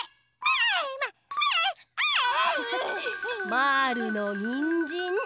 まぁるのにんじん。